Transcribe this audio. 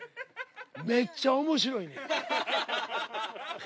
めっちゃ面白いねん。